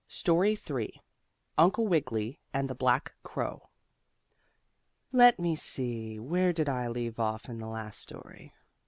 STORY III UNCLE WIGGILY AND THE BLACK CROW Let me see, where did I leave off in the last story?